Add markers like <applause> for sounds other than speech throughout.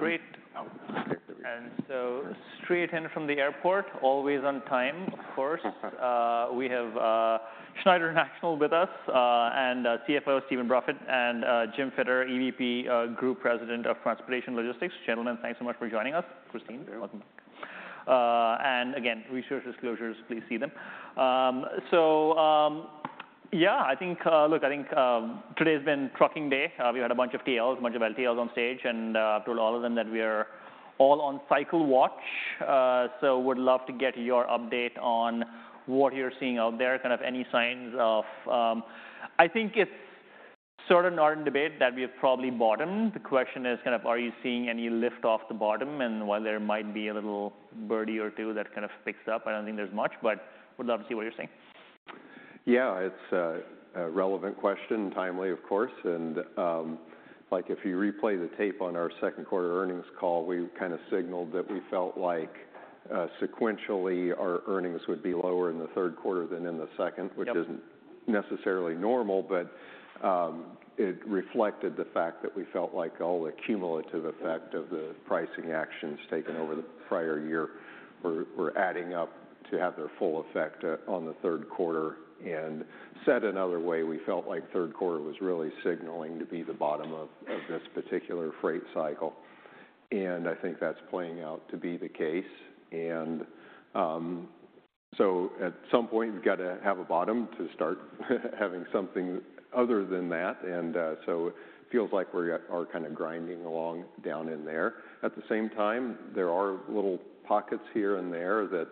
Great. And so straight in from the airport, always on time, of course. We have Schneider National with us, and CFO, Steve Bruffett, and Jim Filter, EVP, Group President of Transportation Logistics. Gentlemen, thanks so much for joining us. Kristine, welcome. And again, research disclosures, please see them. So, yeah, I think, look, I think, today's been trucking day. We had a bunch of TLs, a bunch of LTLs on stage, and I've told all of them that we are all on cycle watch. So would love to get your update on what you're seeing out there. Kind of any signs of... I think it's sort of not in debate that we have probably bottomed. The question is kind of, are you seeing any lift off the bottom? And while there might be a little birdie or two that kind of picks up, I don't think there's much but would love to see what you're seeing. Yeah, it's a relevant question, timely, of course, and, like, if you replay the tape on our second quarter earnings call, we kind of signaled that we felt like, sequentially, our earnings would be lower in the third quarter than in the second... Yep. Which isn't necessarily normal, but it reflected the fact that we felt like all the cumulative effect of the pricing actions taken over the prior year were adding up to have their full effect on the third quarter. And said another way, we felt like third quarter was really signaling to be the bottom of this particular freight cycle, and I think that's playing out to be the case. And so, at some point, you've got to have a bottom to start having something other than that, and so it feels like we are kind of grinding along down in there. At the same time, there are little pockets here and there that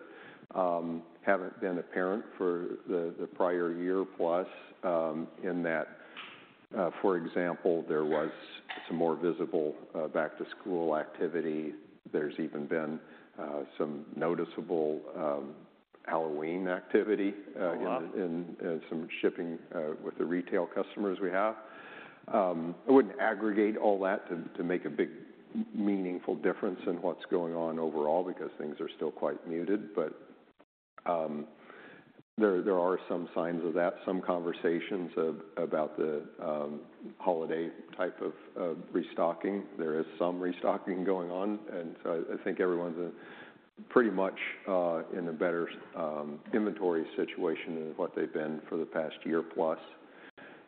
haven't been apparent for the prior year plus, in that, for example, there was some more visible back-to-school activity. There's even been some noticeable Halloween activity... Oh, wow. In some shipping with the retail customers, we have. I wouldn't aggregate all that to make a big, meaningful difference in what's going on overall because things are still quite muted, but there are some signs of that, some conversations about the holiday type of restocking. There is some restocking going on, and so I think everyone's pretty much in a better inventory situation than what they've been for the past year plus.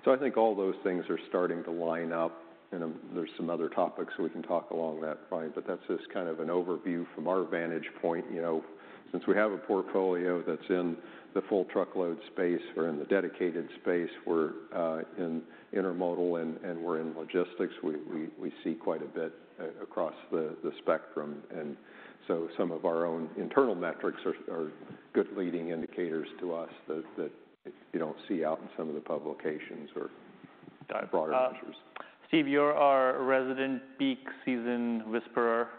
So, I think all those things are starting to line up, and there's some other topics, so we can talk along that line, but that's just kind of an overview from our vantage point. You know, since we have a portfolio that's in the full truckload space or in the dedicated space, we're in intermodal and we're in logistics, we see quite a bit across the spectrum. And so some of our own internal metrics are good leading indicators to us that you don't see out in some of the publications or broader measures. Steve, you're our resident peak season whisperer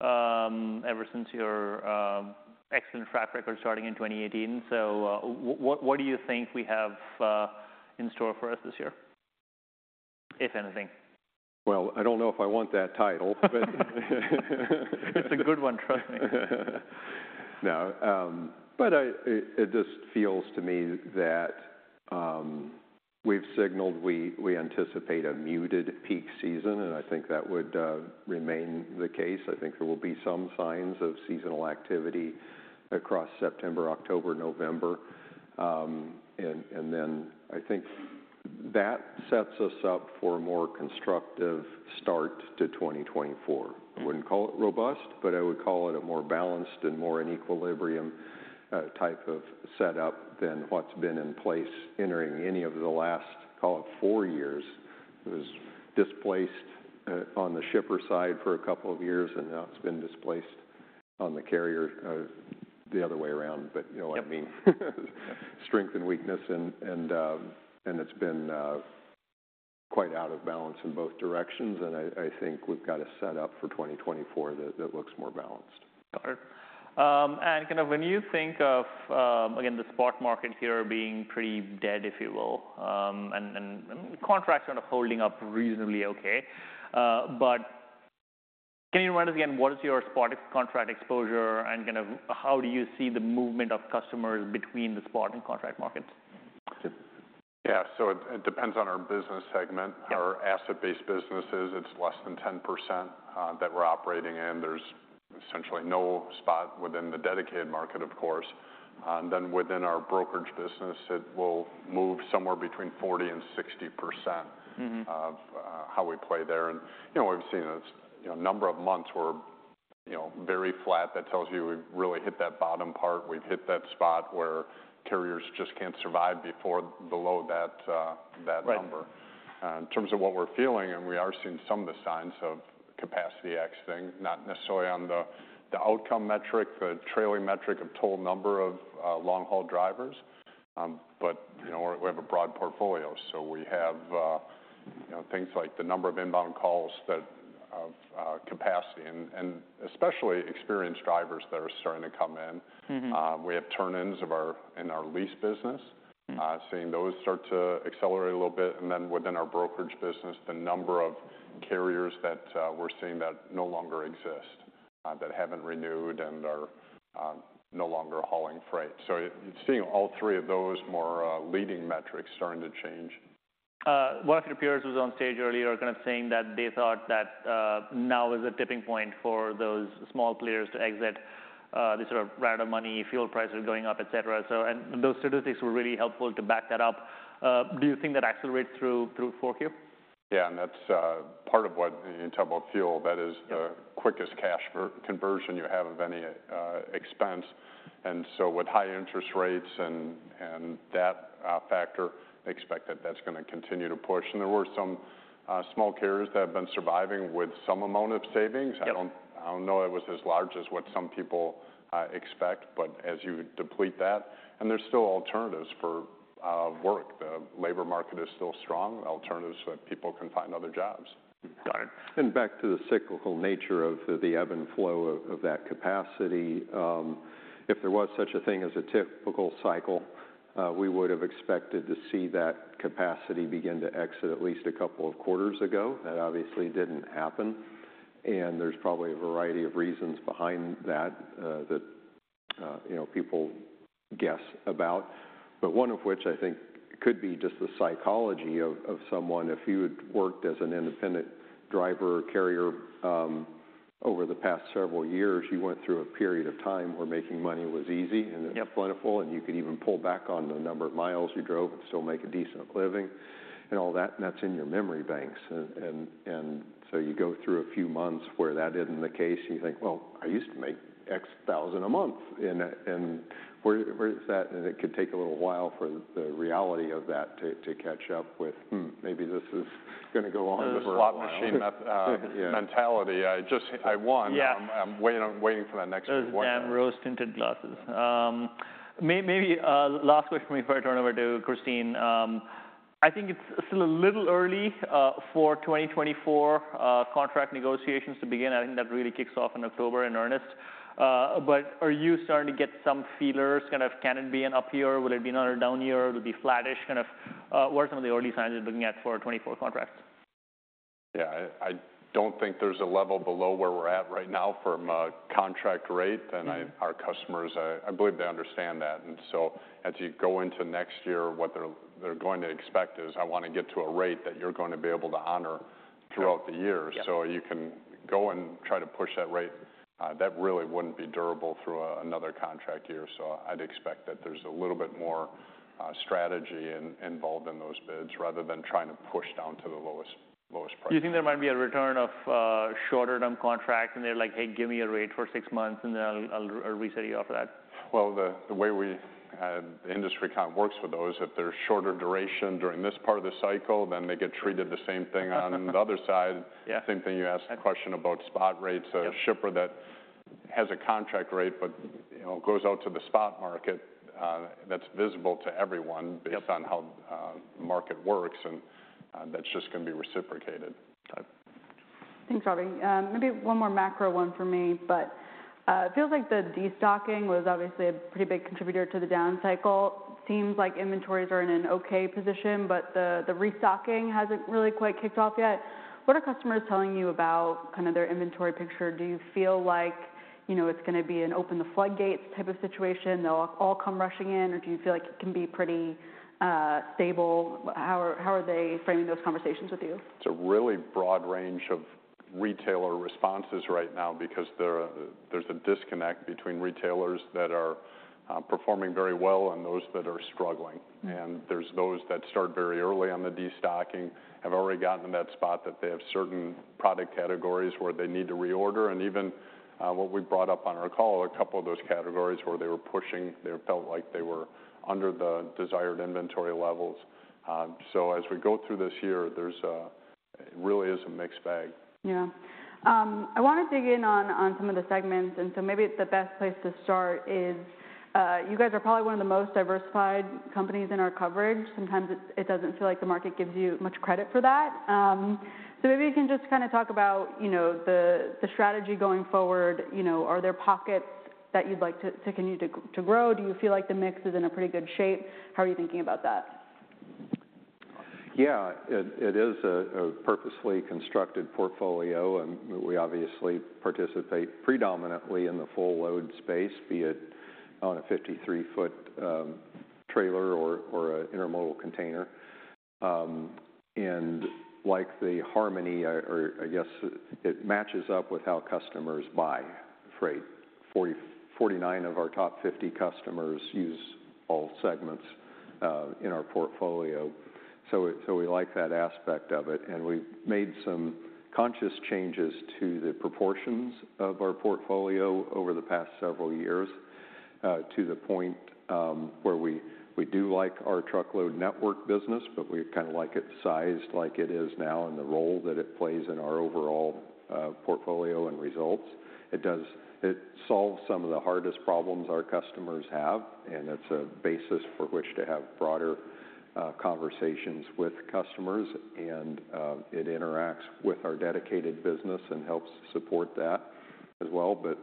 ever since your excellent track record starting in 2018. So, what do you think we have in store for us this year, if anything? Well, I don't know if I want that title, but... It's a good one, trust me. No, but it just feels to me that we've signaled we anticipate a muted peak season, and I think that would remain the case. I think there will be some signs of seasonal activity across September, October, November. And then I think that sets us up for a more constructive start to 2024. I wouldn't call it robust, but I would call it a more balanced and more in equilibrium type of setup than what's been in place entering any of the last, call it, four years. It was displaced on the shipper side for a couple of years, and now it's been displaced on the carrier the other way around. But you know what I mean. Yeah. Strength and weakness and it's been quite out of balance in both directions, and I think we've got a set up for 2024 that looks more balanced. Got it. And kind of when you think of, again, the spot market here being pretty dead, if you will, and contracts kind of holding up reasonably okay, but can you run us again, what is your spot contract exposure, and kind of how do you see the movement of customers between the spot and contract markets? Yeah. So, it depends on our business segment. Yeah. Our asset-based businesses, it's less than 10% that we're operating in. There's essentially no spot within the dedicated market, of course. And then within our brokerage business, it will move somewhere between 40% to 60%... Mm-hmm. Of how we play there. You know, we've seen it, you know, number of months were, you know, very flat. That tells you we've really hit that bottom part. We've hit that spot where carriers just can't survive below that number. Right. In terms of what we're feeling, and we are seeing some of the signs of capacity exiting, not necessarily on the outcome metric, the trailing metric of total number of long-haul drivers, but, you know, we have a broad portfolio. So, we have, you know, things like the number of inbound calls that, of, capacity and, and especially experienced drivers that are starting to come in. Mm-hmm. We have turn-ins in our lease business... Mm-hmm. Seeing those start to accelerate a little bit. And then within our brokerage business, the number of carriers that we're seeing that no longer exist, that haven't renewed and are no longer hauling freight. So you're seeing all three of those more leading metrics starting to change. One of your peers was on stage earlier kind of saying that they thought that now is a tipping point for those small players to exit this sort of ride of money, fuel prices going up, et cetera. So, those statistics were really helpful to back that up. Do you think that accelerates through 4Q? Yeah, and that's part of what, in terms of fuel, that is... Yeah. The quickest cash conversion you have of any expense. And so with high interest rates and that factor, expect that that's going to continue to push. And there were some small carriers that have been surviving with some amount of savings. Yeah. I don't know if it was as large as what some people expect, but as you deplete that... And there's still alternatives for work. The labor market is still strong, alternatives that people can find other jobs. Got it. Back to the cyclical nature of the ebb and flow of that capacity, if there was such a thing as a typical cycle, we would have expected to see that capacity begin to exit at least a couple of quarters ago. That obviously didn't happen, and there's probably a variety of reasons behind that, you know, people guess about, but one of which I think could be just the psychology of someone. If you had worked as an independent driver or carrier, over the past several years, you went through a period of time where making money was easy and... Yeah. plentiful, and you could even pull back on the number of miles you drove and still make a decent living and all that, and that's in your memory banks. And, and, and so you go through a few months where that isn't the case, and you think, "Well, I used to make X thousand a month, and, and where, where is that?" And it could take a little while for the reality of that to, to catch up with, "Hmm, maybe this is going to go on for a while. The slot machine... <crosstalk> Yeah. Mentality. I just... I won... <crosstalk> Yeah. I'm waiting for that next one... <crosstalk> Those damn rose-tinted glasses. Maybe last question for me before I turn over to Kristine. I think it's still a little early for 2024 contract negotiations to begin. I think that really kicks off in October in earnest. But are you starting to get some feelers, kind of, can it be an up year? Will it be another down year? Will it be flattish, kind of, what are some of the early signs you're looking at for 2024 contracts? Yeah, I don't think there's a level below where we're at right now from a contract rate. Mm-hmm. and our customers, I believe they understand that. And so, as you go into next year, what they're going to expect is, "I want to get to a rate that you're going to be able to honor throughout the year. Yeah. So, you can go and try to push that rate, that really wouldn't be durable through another contract year. So, I'd expect that there's a little bit more strategy involved in those bids, rather than trying to push down to the lowest, lowest price. Do you think there might be a return of shorter-term contracts, and they're like: "Hey, give me a rate for six months, and then I'll, I'll reset you after that? Well, the way we, the industry kind of works with those, if they're shorter duration during this part of the cycle, then they get treated the same thing on the other side. Yeah. Same thing, you asked the question about spot rates. Yeah. A shipper that has a contract rate, but, you know, goes out to the spot market, that's visible to everyone... Yep Based on how the market works, and that's just going to be reciprocated. Got it. Thanks, Ravi. Maybe one more macro one for me, but it feels like the destocking was obviously a pretty big contributor to the down cycle. Seems like inventories are in an okay position, but the restocking hasn't really quite kicked off yet. What are customers telling you about kind of their inventory picture? Do you feel like, you know, it's going to be an open the floodgates type of situation, they'll all come rushing in, or do you feel like it can be pretty stable? How are they framing those conversations with you? It's a really broad range of retailer responses right now because there, there's a disconnect between retailers that are performing very well and those that are struggling. Mm-hmm. There's those that start very early on the destocking, have already gotten to that spot, that they have certain product categories where they need to reorder. And even what we brought up on our call, a couple of those categories where they were pushing, they felt like they were under the desired inventory levels. So, as we go through this year, it really is a mixed bag. Yeah. I want to dig in on some of the segments, and so maybe the best place to start is you guys are probably one of the most diversified companies in our coverage. Sometimes it doesn't feel like the market gives you much credit for that. So maybe you can just kind of talk about, you know, the strategy going forward. You know, are there pockets that you'd like to continue to grow? Do you feel like the mix is in a pretty good shape? How are you thinking about that? Yeah. It is a purposefully constructed portfolio, and we obviously participate predominantly in the full load space, be it on a 53-foot trailer or an intermodal container. And like the harmony or I guess it matches up with how customers buy freight. 49 of our top 50 customers use all segments in our portfolio, so we like that aspect of it. And we've made some conscious changes to the proportions of our portfolio over the past several years to the point where we do like our truckload network business, but we kind of like it sized like it is now, and the role that it plays in our overall portfolio and results. It solves some of the hardest problems our customers have, and it's a basis for which to have broader conversations with customers, and it interacts with our dedicated business and helps support that as well. But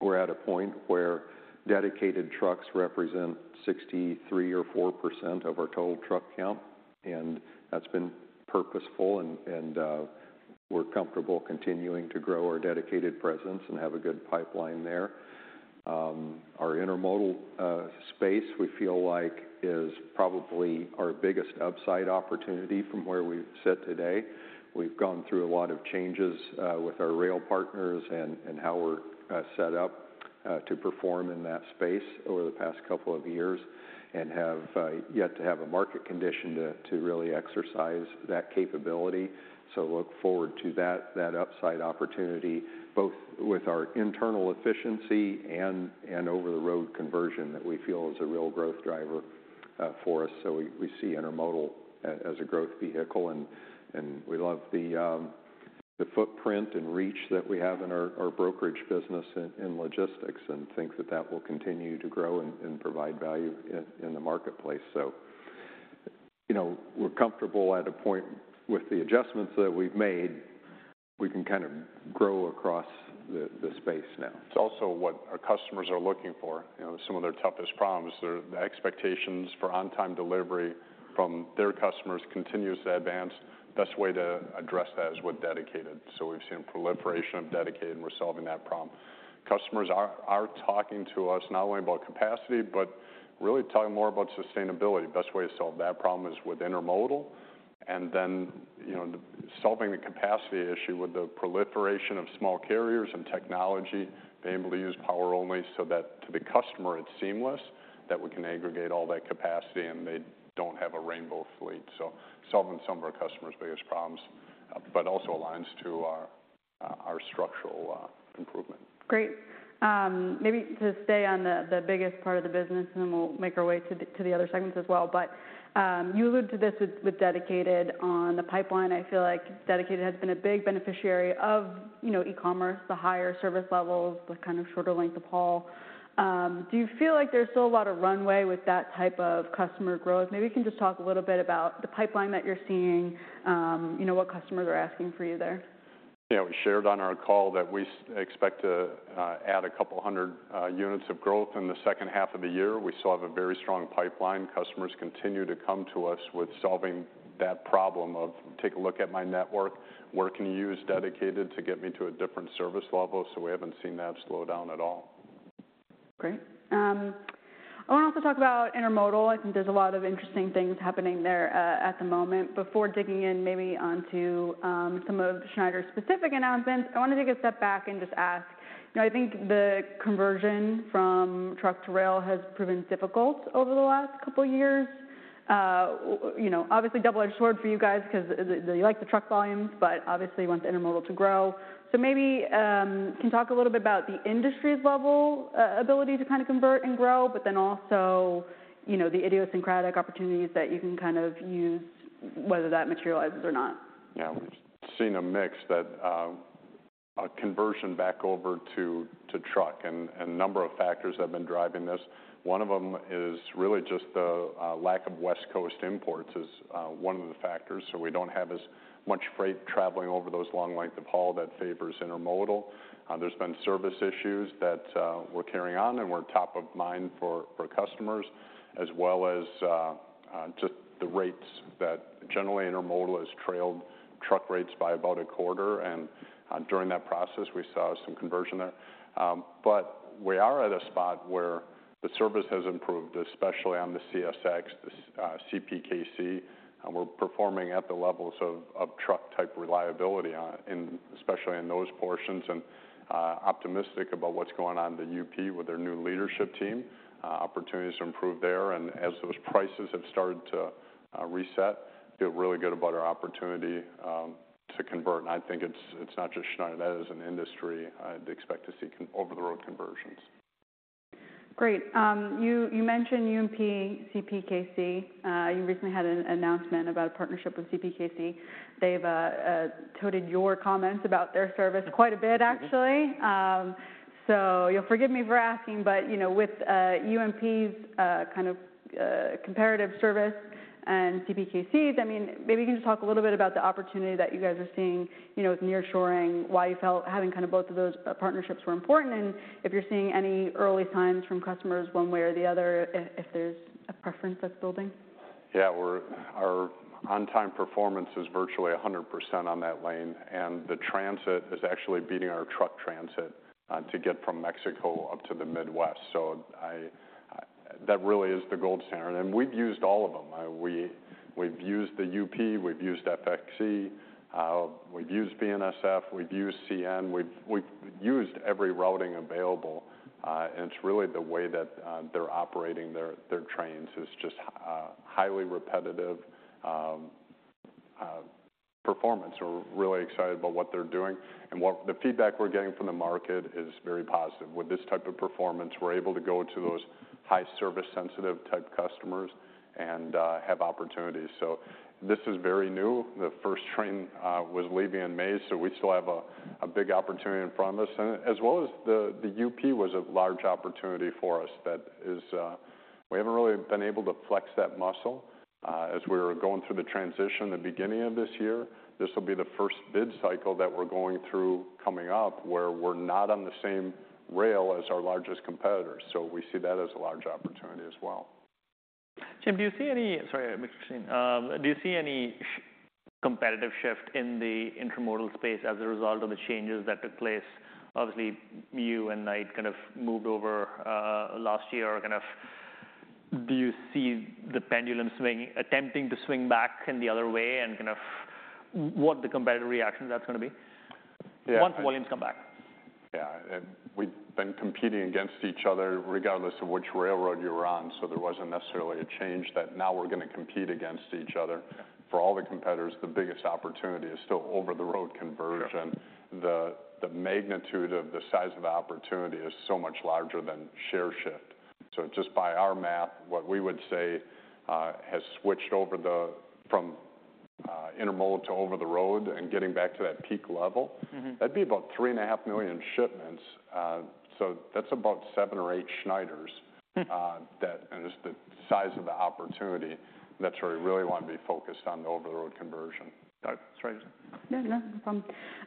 we're at a point where dedicated trucks represent 63 or 64% of our total truck count, and that's been purposeful, and we're comfortable continuing to grow our dedicated presence and have a good pipeline there. Our intermodal space, we feel like is probably our biggest upside opportunity from where we sit today. We've gone through a lot of changes with our rail partners and how we're set up to perform in that space over the past couple of years and have yet to have a market condition to really exercise that capability. So, look forward to that upside opportunity, both with our internal efficiency and over-the-road conversion that we feel is a real growth driver for us. So, we see intermodal as a growth vehicle, and we love the footprint and reach that we have in our brokerage business in logistics and think that that will continue to grow and provide value in the marketplace. So, you know, we're comfortable at a point with the adjustments that we've made. We can kind of grow across the space now. It's also what our customers are looking for. You know, some of their toughest problems, their expectations for on-time delivery from their customers continues to advance. Best way to address that is with dedicated, so we've seen a proliferation of dedicated, and we're solving that problem. Customers are talking to us not only about capacity but really talking more about sustainability. Best way to solve that problem is with intermodal, and then, you know, solving the capacity issue with the proliferation of small carriers and technology, being able to use power only so that to the customer it's seamless, that we can aggregate all that capacity and they don't have a rainbow fleet. So, solving some of our customers' biggest problems but also aligns to our structural improvement. Great. Maybe to stay on the biggest part of the business, and then we'll make our way to the other segments as well. But you alluded to this with dedicated. On the pipeline, I feel like dedicated has been a big beneficiary of, you know, e-commerce, the higher service levels, the kind of shorter length of haul. Do you feel like there's still a lot of runways with that type of customer growth? Maybe you can just talk a little bit about the pipeline that you're seeing, you know, what customers are asking for you there. Yeah, we shared on our call that we expect to add 200 units of growth in the second half of the year. We still have a very strong pipeline. Customers continue to come to us with solving that problem of, "Take a look at my network. Where can you use dedicated to get me to a different service level?" So, we haven't seen that slow down at all. Great. I want to also talk about intermodal. I think there's a lot of interesting things happening there at the moment. Before digging in, maybe onto some of Schneider's specific announcements, I want to take a step back and just ask. You know, I think the conversion from truck to rail has proven difficult over the last couple of years. You know, obviously double-edged sword for you guys because you like the truck volumes, but obviously you want the intermodal to grow. So maybe you can talk a little bit about the industry's level ability to kind of convert and grow, but then also, you know, the idiosyncratic opportunities that you can kind of use, whether that materializes or not. Yeah. We've seen a mix, but a conversion back over to truck, and a number of factors have been driving this. One of them is really just the lack of West Coast imports is one of the factors, so we don't have as much freight traveling over those long lengths of haul that favors intermodal. There's been service issues that we're carrying on, and we're top of mind for customers, as well as just the rates that generally, intermodal has trailed truck rates by about a quarter, and during that process, we saw some conversion there. But we are at a spot where the service has improved, especially on the CSX, the CPKC, and we're performing at the levels of truck-type reliability on it, and especially in those portions, and optimistic about what's going on in the UP with their new leadership team. Opportunities to improve there, and as those prices have started to reset, feel really good about our opportunity to convert. And I think it's not just Schneider. That is an industry. I'd expect to see over-the-road conversions. Great. You mentioned UP, CPKC. You recently had an announcement about a partnership with CPKC. They've touted your comments about their service quite a bit, actually. Mm-hmm. So you'll forgive me for asking, but, you know, with UP's kind of comparative service and CPKC's, I mean, maybe you can just talk a little bit about the opportunity that you guys are seeing, you know, with nearshoring, why you felt having kind of both of those partnerships were important, and if you're seeing any early signs from customers one way or the other, if there's a preference that's building. Yeah, our on-time performance is virtually 100% on that lane, and the transit is actually beating our truck transit to get from Mexico up to the Midwest. So, I... That really is the gold standard, and we've used all of them. We've used the UP, we've used FXE, we've used BNSF, we've used CN, we've used every routing available, and it's really the way that they're operating their trains is just highly repetitive performance. We're really excited about what they're doing, and the feedback we're getting from the market is very positive. With this type of performance, we're able to go to those high service sensitive type customers and have opportunities. So, this is very new. The first train was leaving in May, so we still have a big opportunity in front of us. And as well as the UP was a large opportunity for us. That is... We haven't really been able to flex that muscle, as we were going through the transition the beginning of this year. This will be the first bid cycle that we're going through coming up, where we're not on the same rail as our largest competitors, so we see that as a large opportunity as well. Jim, do you see any, sorry, I mixed your scene. Do you see any competitive shift in the intermodal space as a result of the changes that took place? Obviously, you and Knight kind of moved over last year, kind of... Do you see the pendulum swing, attempting to swing back in the other way, and kind of, what the competitive reaction to that's gonna be... Yeah. Once volumes come back? Yeah, and we've been competing against each other regardless of which railroad you were on, so there wasn't necessarily a change that now we're going to compete against each other. For all the competitors, the biggest opportunity is still over-the-road conversion. Yeah. The magnitude of the size of the opportunity is so much larger than share shift. So just by our math, what we would say has switched over from intermodal to over-the-road and getting back to that peak level... Mm-hmm. That'd be about 3.5 million shipments. So that's about seven or eight Schneiders, that, and just the size of the opportunity, that's where we really want to be focused on the over-the-road conversion. That's right. Yeah, no, no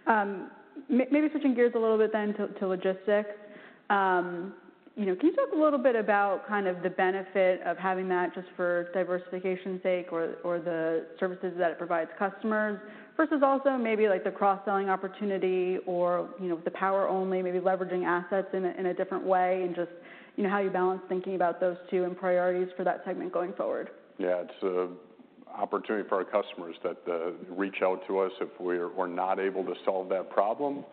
problem. Maybe switching gears, a little bit then to logistics. You know, can you talk a little bit about kind of the benefit of having that just for diversification sake or the services that it provides customers, versus also maybe, like, the cross-selling opportunity or, you know, the power only, maybe leveraging assets in a different way, and just, you know, how you balance thinking about those two and priorities for that segment going forward? Yeah. It's an opportunity for our customers that reach out to us. If we're not able to solve that problem,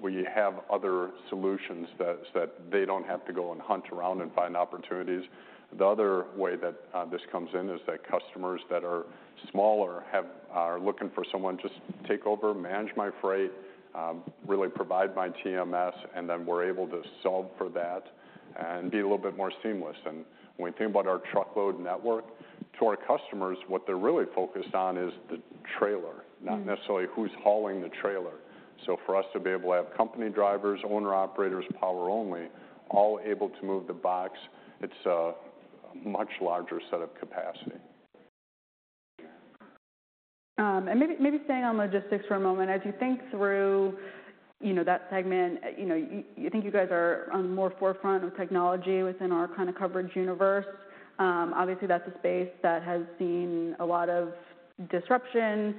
we have other solutions that they don't have to go and hunt around and find opportunities. The other way that this comes in is that customers that are smaller are looking for someone to just take over, manage my freight, really provide my TMS, and then we're able to solve for that and be a little bit more seamless. And when we think about our truckload network, to our customers, what they're really focused on is the trailer... Mm. Not necessarily who's hauling the trailer. So for us to be able to have company drivers, owner-operators, power only, all able to move the box, it's a much larger set of capacity. And maybe, maybe staying on logistics for a moment, as you think through, you know, that segment, you know, you think you guys are on the more forefront of technology within our kind of coverage universe. Obviously, that's a space that has seen a lot of disruption,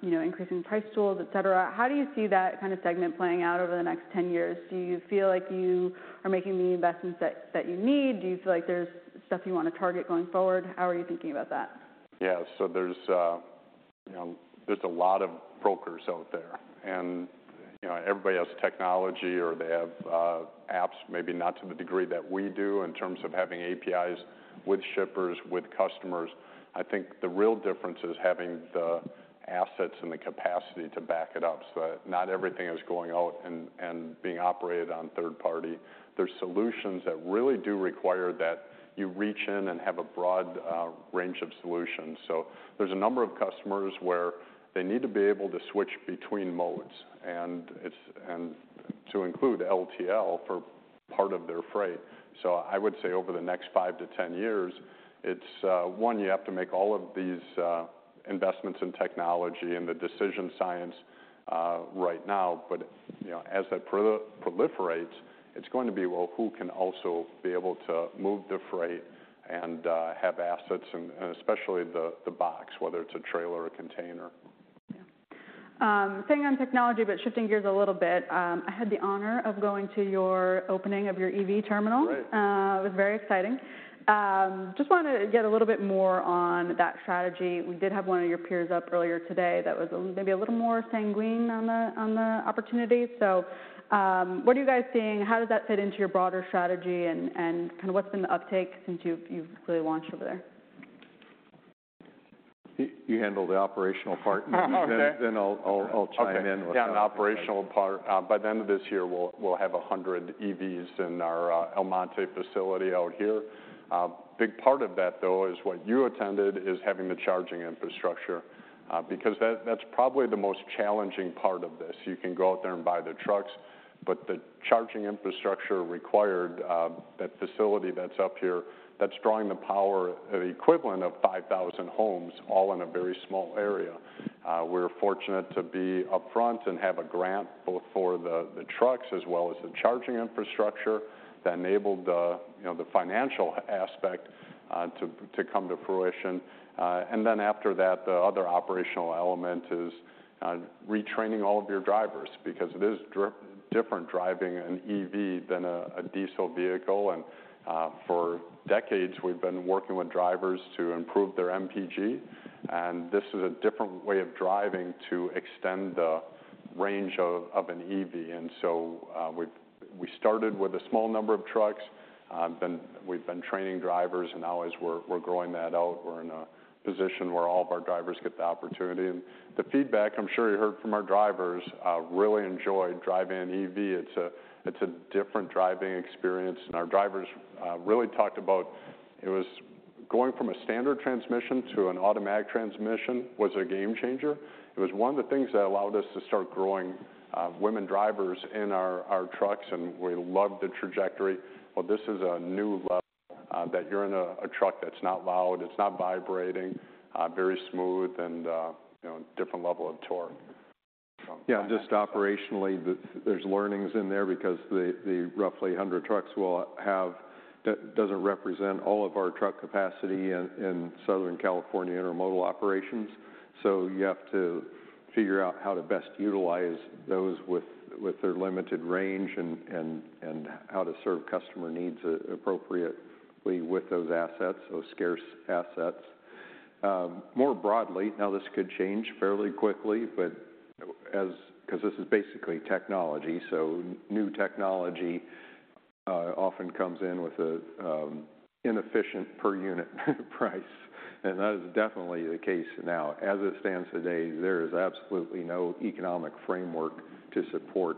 you know, increasing price tools, et cetera. How do you see that kind of segment playing out over the next 10 years? Do you feel like you are making the investments that you need? Do you feel like there's stuff you want to target going forward? How are you thinking about that? Yeah. So, there's, you know, there's a lot of brokers out there, and, you know, everybody has technology or they have apps, maybe not to the degree that we do in terms of having APIs with shippers, with customers. I think the real difference is having the assets and the capacity to back it up, so that not everything is going out and being operated on third party. There are solutions that really do require that you reach in and have a broad range of solutions. So, there's a number of customers where they need to be able to switch between modes, and it's and to include LTL for part of their freight. So I would say over the next five to 10 years, it's one, you have to make all of these investments in technology and the decision science right now, but you know, as that proliferates, it's going to be, well, who can also be able to move the freight and have assets, and especially the box, whether it's a trailer or container. Yeah. Staying on technology, but shifting gears a little bit, I had the honor of going to your opening of your EV terminal. Right. It was very exciting. Just wanted to get a little bit more on that strategy. We did have one of your peers up earlier today that was a little, maybe a little more sanguine on the opportunity. So, what are you guys seeing? How does that fit into your broader strategy, and kind of what's been the uptake since you've really launched over there? You handle the operational part. Okay, then I'll chime in with... Okay. Yeah, an operational part. By the end of this year, we'll have 100 EVs in our El Monte facility out here. Big part of that, though, is what you attended, is having the charging infrastructure, because that's probably the most challenging part of this. You can go out there and buy the trucks, but the charging infrastructure required, that facility that's up here, that's drawing the power at equivalent of 5,000 homes, all in a very small area. We're fortunate to be up front and have a grant, both for the trucks as well as the charging infrastructure, that enabled, you know, the financial aspect, to come to fruition. Then, after that, the other operational element is retraining all of your drivers, because it is different driving an EV than a diesel vehicle. For decades, we've been working with drivers to improve their MPG, and this is a different way of driving to extend the range of an EV. So, we started with a small number of trucks, we've been training drivers, and now as we're growing that out, we're in a position where all of our drivers get the opportunity. The feedback, I'm sure you heard from our drivers, really enjoyed driving an EV. It's a different driving experience. Our drivers really talked about it was going from a standard transmission to an automatic transmission was a game changer. It was one of the things that allowed us to start growing women drivers in our, our trucks, and we love the trajectory. Well, this is a new level that you're in a, a truck that's not loud, it's not vibrating, very smooth, and, you know, different level of torque. Yeah, just operationally, there's learnings in there because the roughly 100 trucks will have, that doesn't represent all of our truck capacity in Southern California intermodal operations. So, you have to figure out how to best utilize those with their limited range and how to serve customer needs appropriately with those assets, those scarce assets. More broadly, now, this could change fairly quickly, but as, cause this is basically technology. So new technology often comes in with an inefficient per unit price, and that is definitely the case now. As it stands today, there is absolutely no economic framework to support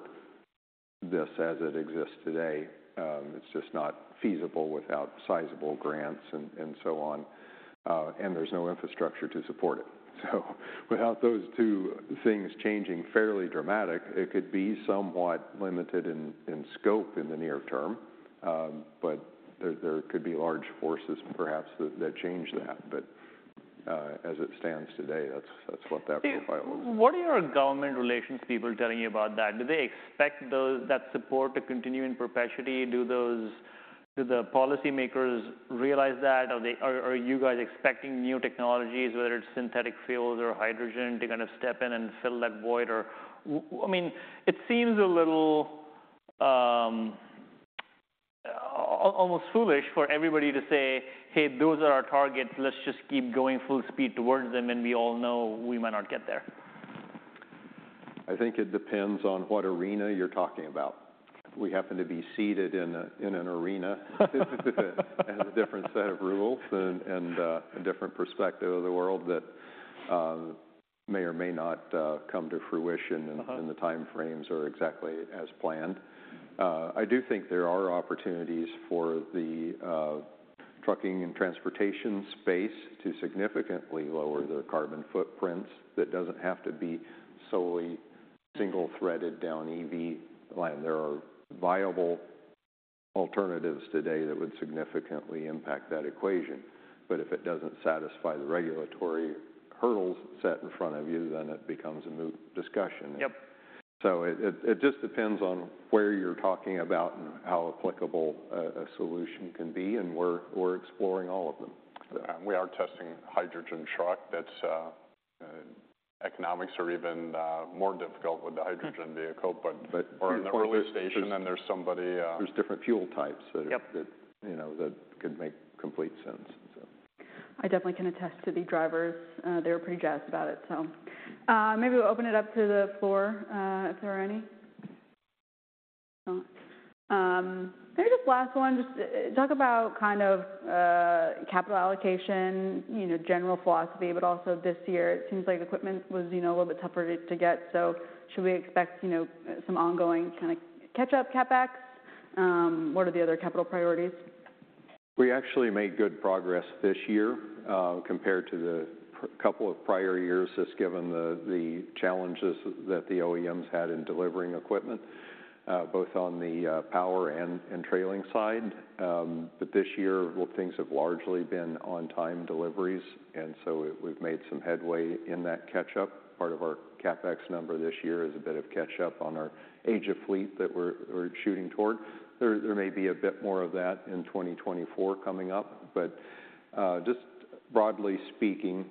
this as it exists today. It's just not feasible without sizable grants and so on, and there's no infrastructure to support it. So, without those two things changing fairly dramatic, it could be somewhat limited in scope in the near term. But there could be large forces, perhaps, that change that. But as it stands today, that's what that profile is. What are your government relations people telling you about that? Do they expect those, that support to continue in perpetuity? Do the policymakers realize that, or are they, are you guys expecting new technologies, whether it's synthetic fuels or hydrogen, to kind of step in and fill that void? Or I mean, it seems a little, almost foolish for everybody to say, "Hey, those are our targets. Let's just keep going full speed towards them," and we all know we might not get there. I think it depends on what arena you're talking about. We happen to be seated in an arena that has a different set of rules and a different perspective of the world that may or may not come to fruition... Uh-huh. In the time frames or exactly as planned. I do think there are opportunities for the trucking and transportation space to significantly lower their carbon footprints, that doesn't have to be solely single threaded down EV line. There are viable alternatives today that would significantly impact that equation, but if it doesn't satisfy the regulatory hurdles set in front of you, then it becomes a moot discussion. Yep. It just depends on where you're talking about and how applicable a solution can be, and we're exploring all of them. We are testing a hydrogen truck. That's, economics are even, more difficult with the hydrogen vehicle, but... Or in the early station, then there's somebody. There's different fuel types... Yep. That, you know, that could make complete sense, so. I definitely can attest to the drivers. They were pretty jazzed about it, so. Maybe we'll open it up to the floor, if there are any. Maybe just last one, just, talk about kind of, capital allocation, you know, general philosophy, but also this year it seems like equipment was, you know, a little bit tougher to get, so should we expect, you know, some ongoing kind of catch-up CapEx? What are the other capital priorities? We actually made good progress this year compared to the couple of prior years, just given the challenges that the OEMs had in delivering equipment, both on the power and trailing side. But this year, things have largely been on-time deliveries, and so we've made some headway in that catch-up. Part of our CapEx number this year is a bit of catch-up on our age of fleet that we're shooting towards. There may be a bit more of that in 2024 coming up, but just broadly speaking,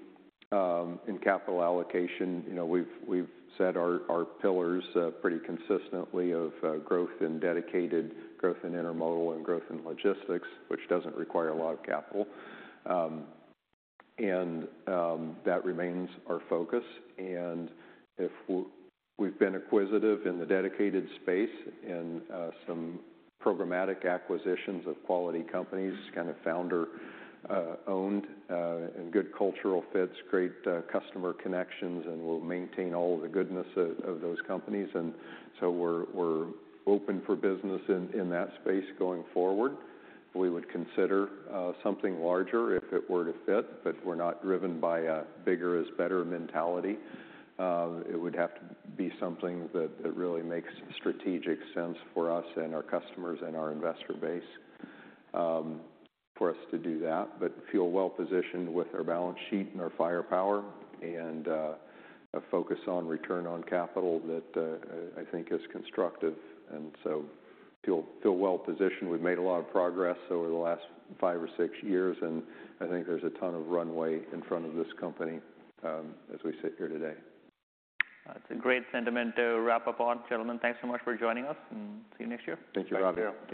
in capital allocation, you know, we've set our pillars pretty consistently of growth in dedicated, growth in intermodal, and growth in logistics, which doesn't require a lot of capital. And that remains our focus. We've been acquisitive in the dedicated space and some programmatic acquisitions of quality companies, kind of founder owned, and good cultural fits, great customer connections, and we'll maintain all of the goodness of those companies. So we're open for business in that space going forward. We would consider something larger if it were to fit, but we're not driven by a bigger-is-better mentality. It would have to be something that really makes strategic sense for us and our customers and our investor base for us to do that. But feel well positioned with our balance sheet and our firepower and a focus on return on capital that I think is constructive and so feel well positioned. We've made a lot of progress over the last five or six years, and I think there's a ton of runway in front of this company, as we sit here today. That's a great sentiment to wrap up on. Gentlemen, thanks so much for joining us, and see you next year. Thank you, Ravi. Thank you.